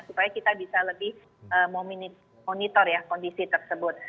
supaya kita bisa lebih memonitor ya kondisi tersebut